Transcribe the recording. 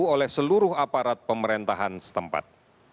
oleh seluruh aparat pemerintahan setempat